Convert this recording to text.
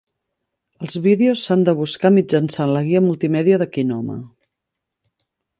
Els vídeos s'han de buscar mitjançant la guia multimèdia de Kinoma.